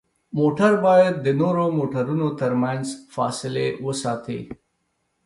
موټر باید د نورو موټرونو ترمنځ فاصلې وساتي.